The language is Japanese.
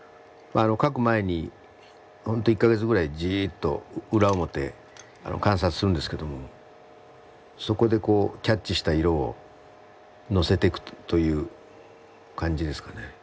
描く前に本当１か月ぐらいじっと裏表観察するんですけどもそこでこうキャッチした色を載せていくという感じですかね。